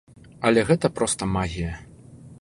Але гэта проста магія.